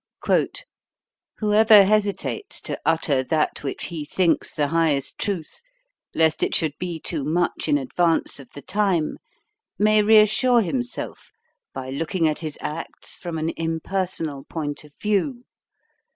"Whoever hesitates to utter that which he thinks the highest truth, lest it should be too much in advance of the time, may reassure himself by looking at his acts from an impersonal point of view.